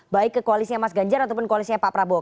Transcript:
baik ke koalisnya mas ganjar ataupun koalisnya pak prabowo